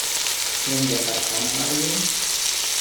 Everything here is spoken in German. Hören Sie etwa kein Radio?